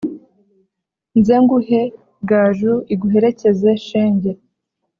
nze nguhe gaju iguherekeze shenge